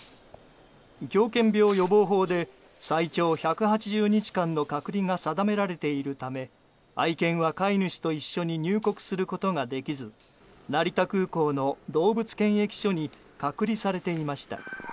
狂犬病予防法で最長１８０日の隔離が定められているため愛犬は飼い主と一緒に入国することができず成田空港の動物検疫所に隔離されていました。